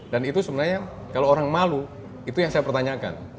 itu sebenarnya kalau orang malu itu yang saya pertanyakan